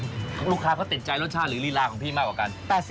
รู้ความของรูหนึ่งเต็มใจถึงรสชาติหรือรีลาระของพี่มากกว่ากัน